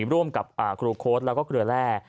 ร่วมกับครูโค้ดแล้วก็เกลือแร่